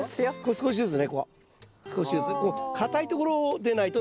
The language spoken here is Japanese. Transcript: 少しずつ。